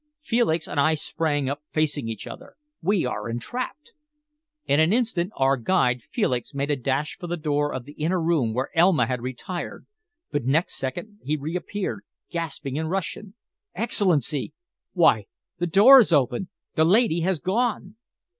Felix and I sprang up facing each other. "We are entrapped!" In an instant our guide Felix made a dash for the door of the inner room where Elma had retired, but next second he reappeared, gasping in Russian "Excellency! Why, the door is open! The lady has gone!"